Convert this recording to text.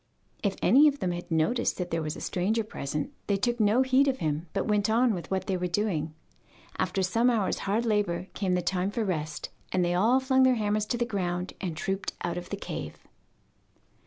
If any of them had noticed that there was a stranger present they took no heed of him, but went on with what they were doing. After some hours' hard labour came the time for rest, and they all flung their hammers to the ground and trooped out of the cave.